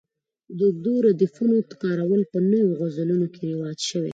د اوږدو ردیفونو کارول په نویو غزلونو کې رواج شوي.